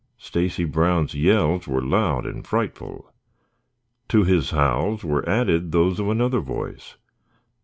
Stacy Brown's yells were loud and frightful. To his howls were added those of another voice.